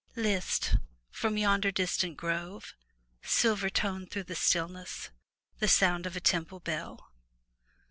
List! from yonder distant grove, silver toned through the stillness, the sound of a temple bell.